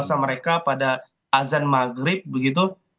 sama mereka pada azan maghrib begitu